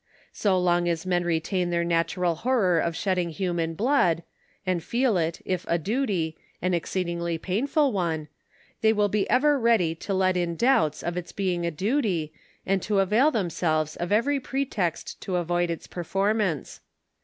'* So long as men retain their natural horror of shedding human blood» 59 and feel it, if a duty, an exceedingly painful one, they will be ever leady to let in doubts of its being a duty, and to avail themselves of every pretext to avoid its performance.